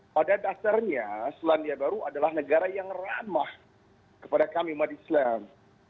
pada dasarnya selandia baru adalah negara yang ramah kepada kami umat islam